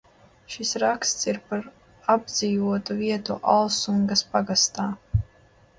Šis raksts ir par apdzīvotu vietu Alsungas pagastā.